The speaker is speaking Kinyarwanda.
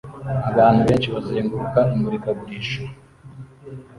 Abantu benshi bazenguruka imurikagurisha